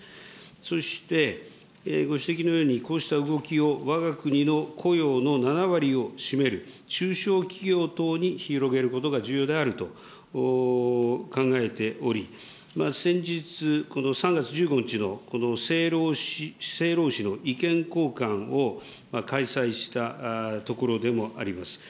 そして、ご指摘のようにこうした動きをわが国の雇用の７割を占める中小企業等に広げることが重要であると考えており、先日、この３月１５日のこの政労使の意見交換を開催したところでもあります。